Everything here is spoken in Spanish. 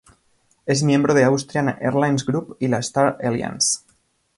Es miembro de Austrian Airlines Group y la Star Alliance.